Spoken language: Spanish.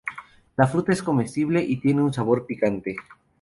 La fruta es comestible, y tiene un sabor picante.